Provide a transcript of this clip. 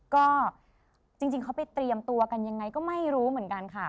ก็จริงเขาไปเตรียมตัวกันยังไงก็ไม่รู้เหมือนกันค่ะ